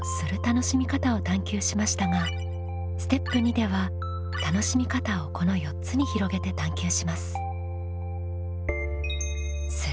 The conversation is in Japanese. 楽しみ方を探究しましたがステップ２では楽しみ方をこの４つに広げて探究します。